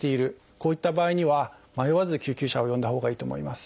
こういった場合には迷わず救急車を呼んだほうがいいと思います。